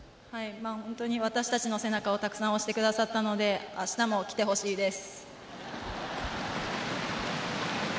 本当に私たちの背中をたくさん押してくださったので明日も来てほしいです。